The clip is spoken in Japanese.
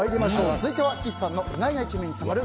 続いては岸さんの意外な一面に迫る